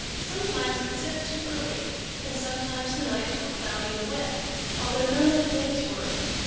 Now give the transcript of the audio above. Sometimes it set too early, and sometimes the nights were cloudy and wet, although none of the days were.